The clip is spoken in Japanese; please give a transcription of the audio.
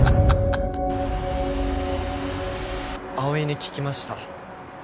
葵に聞きました。